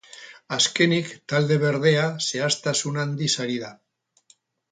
Azkenik, talde berdea zehaztasun handiz ari da.